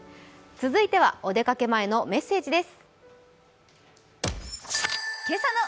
続いては、お出かけ前のメッセージです。